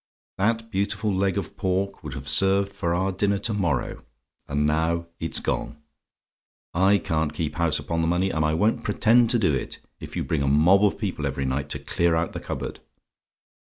That beautiful leg of pork would have served for our dinner to morrow, and now it's gone. I can't keep the house upon the money, and I won't pretend to do it, if you bring a mob of people every night to clear out the cupboard.